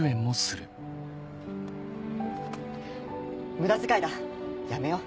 無駄遣いだやめよう。